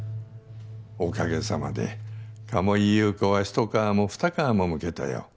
おかげさまで鴨井ゆう子は一皮も二皮もむけたよ。